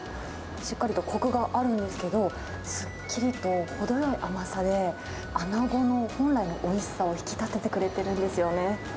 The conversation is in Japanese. しっかりとこくがあるんですけど、すっきりと程よい甘さで、アナゴの本来のおいしさを引き立ててくれてるんですよね。